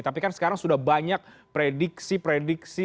tapi kan sekarang sudah banyak prediksi prediksi